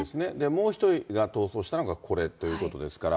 もう１人が逃走したのがこれということですから。